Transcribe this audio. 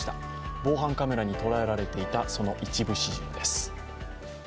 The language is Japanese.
防犯カメラに捉えられていたその一部始終です。